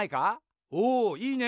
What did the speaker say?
おいいね。